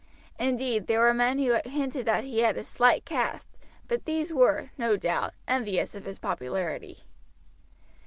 Indeed there were men who hinted that he had a slight cast, but these were, no doubt, envious of his popularity.